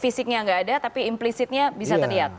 fisiknya tidak ada tapi implicitnya bisa terlihat